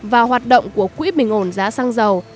và hoạt động của quỹ bình ổn giá xăng dầu